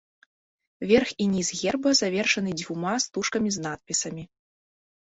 Верх і ніз герба завершаны дзвюма стужкамі з надпісамі.